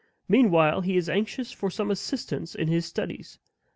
Meantime, he is anxious for some assistance in his studies.